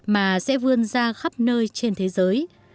mà sẽ vươn ra khắp nơi trên thế giới